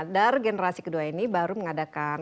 dar generasi kedua ini baru mengadakan